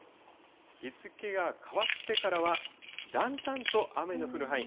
日付が変わってからは、だんだんと雨の降る範囲